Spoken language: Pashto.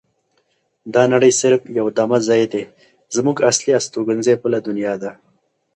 دا نړۍ صرف یو دمه ځای دی زمونږ اصلي استوګنځای بله دنیا ده.